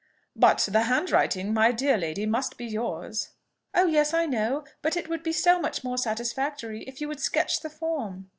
"But the handwriting, my dear lady, must be yours." "Oh yes! I know. But it would be so much more satisfactory if you would sketch the form!"